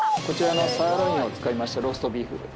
こちらのサーロインを使いましたローストビーフ。